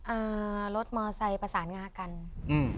อ่ารถมอไซค์ประสานงากันอืม